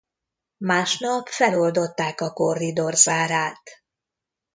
Másnap feloldották a korridor zárát.